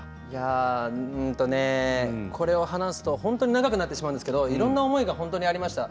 これを話すと本当に長くなってしまうんですけれどもいろいろな思いが本当にたくさんありました。